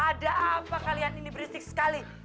ada apa kalian ini berisik sekali